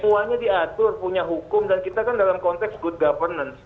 semuanya diatur punya hukum dan kita kan dalam konteks good governance